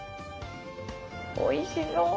おいしそう。